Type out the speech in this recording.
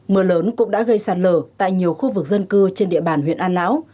mưa lớn cũng đã gây sạt lở tại nhiều khu vực dân cư trên địa bàn huyện an lão